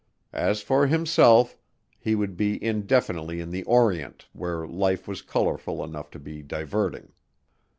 As for himself, he would be indefinitely in the Orient where life was colorful enough to be diverting.